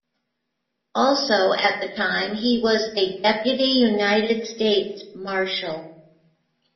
Also at the time he was a Deputy United States Marshal.